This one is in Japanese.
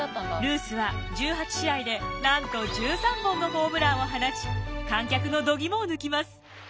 ルースは１８試合でなんと１３本のホームランを放ち観客の度肝を抜きます。